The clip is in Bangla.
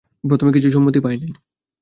প্রথমে কিছুতেই সম্মতি পায় নাই।